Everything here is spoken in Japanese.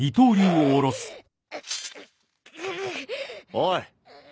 おい。